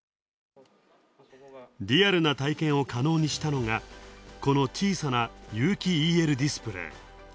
リアルな体験を可能にしたのがこの小さな、有機ＥＬディスプレー。